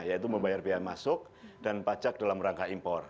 yaitu membayar biaya masuk dan pajak dalam rangka impor